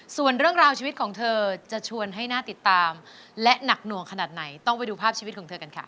ส่วนเรื่องราวชีวิตของเธอจะชวนให้น่าติดตามและหนักหน่วงขนาดไหนต้องไปดูภาพชีวิตของเธอกันค่ะ